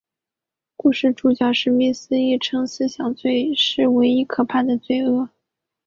故事主角史密斯亦称思想罪是唯一可怕的罪恶。